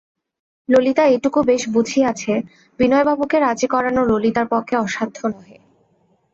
ললিতা এটুকু বেশ বুঝিয়াছে, বিনয়বাবুকে রাজি করানো ললিতার পক্ষে অসাধ্য নহে।